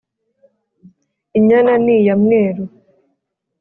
Inyana ni iya Mweru